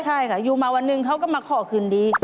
ใช่ค่ะอยู่มาวันหนึ่งเขาก็มาขอคืนดี